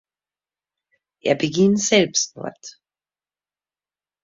Er beging Selbstmord.